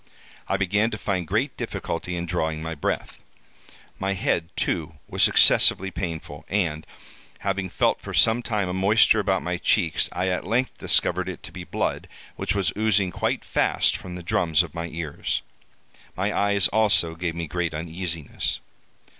I began to find great difficulty in drawing my breath. My head, too, was excessively painful; and, having felt for some time a moisture about my cheeks, I at length discovered it to be blood, which was oozing quite fast from the drums of my ears. My eyes, also, gave me great uneasiness.